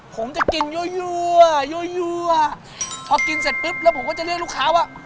ผมจะกินยัวพอกินเสร็จปุ๊บแล้วผมก็จะเรียกลูกค้าว่า